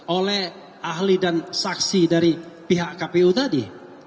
oleh ahli dan saksi dari pihak kpu tadi